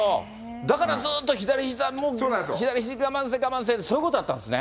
だからずっと左ひじ、左ひじ、我慢せえ、我慢せえって、そういうことだったんですね。